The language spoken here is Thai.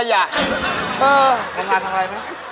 เออทำงานทางไรมั้ย